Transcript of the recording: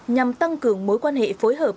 nhằm tăng cường mối quan hệ phối hợp